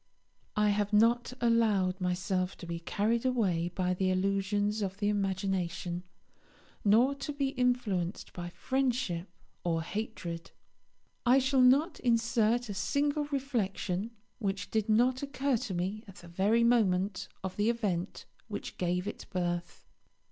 I have not allowed myself to be carried away by the illusions of the imagination, nor to be influenced by friendship or hatred. I shall not insert a single reflection which did not occur to me at the very moment of the event which gave it birth.